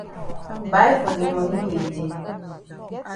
Buy for de moni wey e dey.